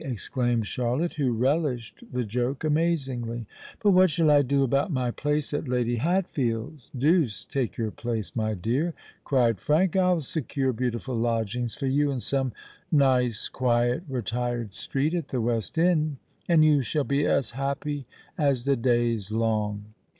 exclaimed Charlotte, who relished the joke amazingly. "But what shall I do about my place at Lady Hatfield's?" "Deuce take your place, my dear!" cried Frank. "I'll secure beautiful lodgings for you in some nice, quiet, retired street at the West End, and you shall be as happy as the day's long.